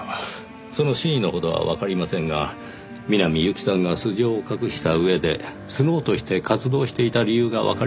その真意のほどはわかりませんが南侑希さんが素性を隠した上でスノウとして活動していた理由がわかりました。